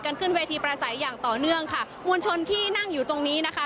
ขึ้นเวทีประสัยอย่างต่อเนื่องค่ะมวลชนที่นั่งอยู่ตรงนี้นะคะ